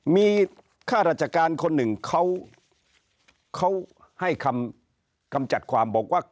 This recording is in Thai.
มีค่าราชการคนหนึ่งเขาให้คำกำจัดความบอกว่า